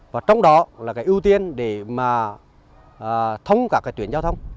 và trong đó là cái ưu tiên để mà thông cả cái tuyến giao thông